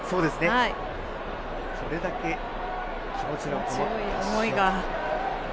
それだけ気持ちのこもったシュート。